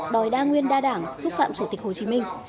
đòi đa nguyên đa đảng xúc phạm chủ tịch hồ chí minh